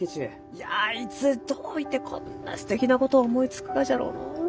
いやいつどういてこんなすてきなことを思いつくがじゃろうのう？